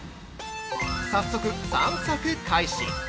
早速、散策開始。